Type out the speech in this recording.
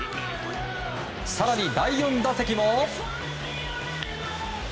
更に、第４打席も。